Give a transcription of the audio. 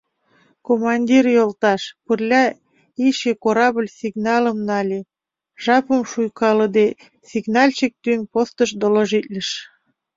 — Командир йолташ, пырля ийше корабль сигналым нале! — жапым шуйкалыде, сигнальщик тӱҥ постыш доложитлыш.